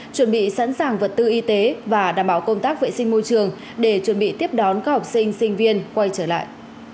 chuẩn bị sẵn sàng vật tư y tế và đảm bảo công tác vệ sinh môi trường để chuẩn bị tiếp đón các học sinh sinh viên quay trở lại